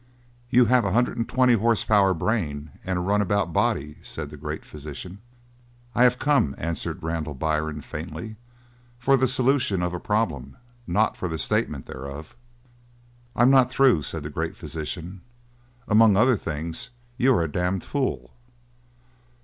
"You have a hundred and twenty horsepower brain and a runabout body," said the great physician. "I have come," answered Randall Byrne faintly, "for the solution of a problem, not for the statement thereof." "I'm not through," said the great physician. "Among other things you are a damned fool."